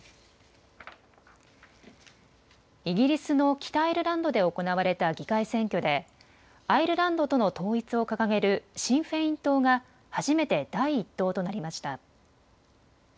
イギリスの北アイルランドで行われた議会選挙でアイルランドとの統一を掲げるシン・フェイン党が初めて第１党となりました。